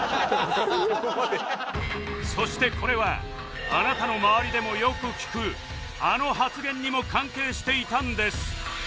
そしてこれはあなたの周りでもよく聞くあの発言にも関係していたんです